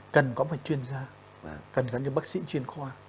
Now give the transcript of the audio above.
cần có một chuyên gia cần có những bác sĩ chuyên khoa